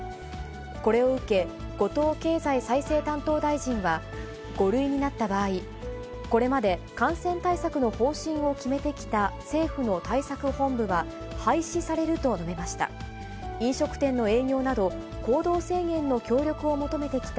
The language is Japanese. これを受け、後藤経済再生担当大臣は、５類になった場合、これまで感染対策の方針を決めてきた政府の対策本部は廃止されると述べました。